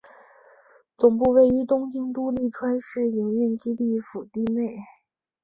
总部位于东京都立川市营运基地敷地内。